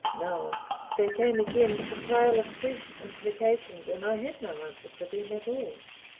Now they came again with a trail of fresh implications and I had no answer for them at all.